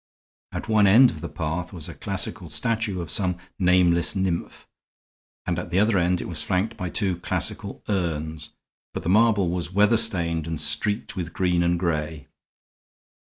At one end of the path was a classical statue of some nameless nymph, and at the other end it was flanked by two classical urns; but the marble was weather stained and streaked with green and gray.